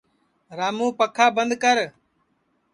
رامُوں پکھا بند کر